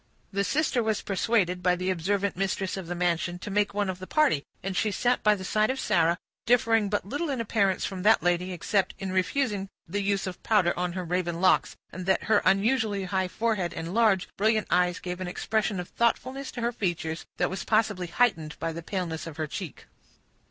The sister was persuaded, by the observant mistress of the mansion, to make one of the party, and she sat by the side of Sarah, differing but little in appearance from that lady, except in refusing the use of powder on her raven locks, and that her unusually high forehead and large, brilliant eyes gave an expression of thoughtfulness to her features, that was possibly heightened by the paleness of her cheek.